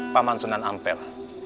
paman sunan ampel